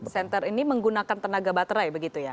center ini menggunakan tenaga baterai begitu ya